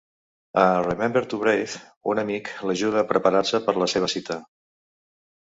A "Remember to Breathe", un amic l'ajuda a preparar-se per a la seva cita.